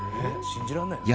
「信じらんないよね」